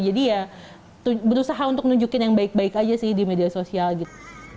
jadi ya berusaha untuk menunjukin yang baik baik aja sih di media sosial gitu